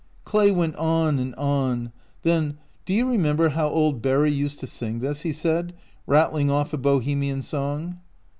Clay went on and on ; then " Do you re member how old Barry used to sing this ?" he said, rattling off a Bohemian song.